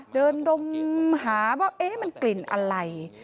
เดินดมหาว่า๊เอ๊ะมันกลิ่นอะไร